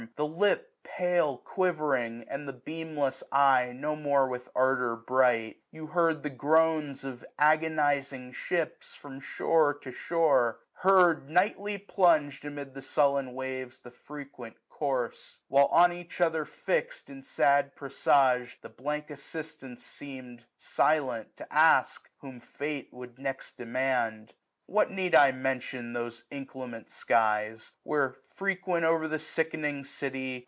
The lip pale quivering, and the beamless eye 1045 No more with ardour bright : you heard the groans Of agonizing ships, firom shore to shore ; Heard, nightly plungM amid the sullen waves. The frequent corse ; while on each other fix'd. In sad presage, the blank assistants seem'd, 1050 Silent, to ask, whom Fate would next demand. What need I mention those inclement skies. Where, frequent o'er the sickening city.